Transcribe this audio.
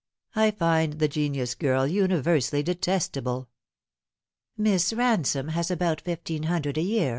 I find the genus girl universally detestable." " Miss Bansome has about fifteen hundred a year.